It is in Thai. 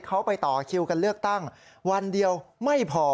เขาไปต่อคิวกันเลือกตั้งวันเดียวไม่พอ